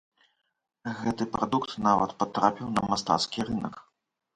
Гэты прадукт нават патрапіў на мастацкі рынак.